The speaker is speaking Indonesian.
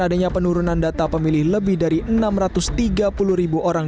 adanya penurunan data pemilih lebih dari enam ratus tiga puluh ribu orang